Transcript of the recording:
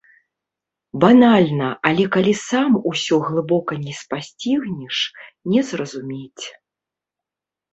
Банальна, але калі сам усё глыбока не спасцігнеш, не зразумець.